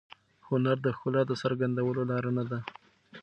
هنر د ښکلا د څرګندولو لاره نه ده.